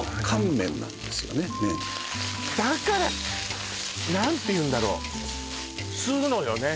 麺だからなんて言うんだろう吸うのよね